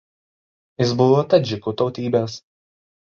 Jis buvo tadžikų tautybės.